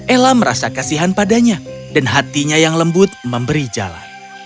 ella merasa kasihan padanya dan hatinya yang lembut memberi jalan